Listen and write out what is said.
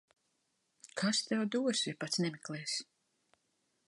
Kas tev dos, ja pats nemeklēsi.